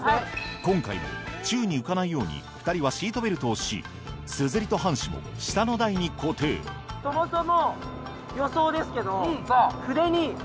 今回も宙に浮かないように２人はシートベルトをしすずりと半紙も下の台に固定そもそも予想ですけど。